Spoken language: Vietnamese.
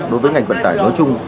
đối với ngành vận tải nói chung